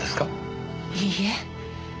いいえ。